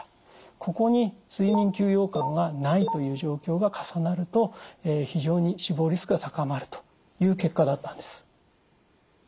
ここに睡眠休養感がないという状況が重なると非常に死亡リスクが高まるという結果だったんです。